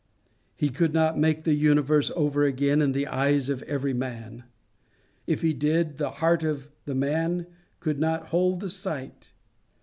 He could not make the universe over again in the eyes of every man. If he did, the heart of the man could not hold the sight.